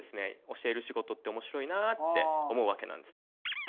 教える仕事って面白いなあって思うわけなんです。